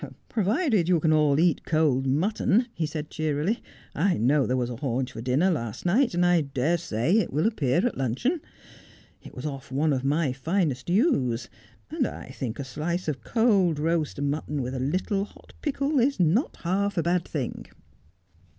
' Provided you can all eat cold mutton,' he said cheerily. ' I know there was a haunch for dinner last night, and I dare say it will appear at luncheon. It was off one of my finest ewes, and I think a slice of cold roast mutton with a little hot pickle is not half a bad thing.'